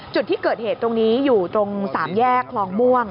จุดที่เกิดเหตุตรงนี้อยู่ตรงสามแยกคลองม่วง